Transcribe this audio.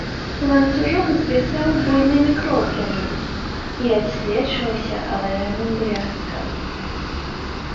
Ланцужок звісаў буйнымі кроплямі і адсвечваўся алавяным бляскам.